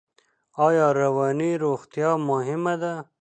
ایا رواني روغتیا مهمه ده؟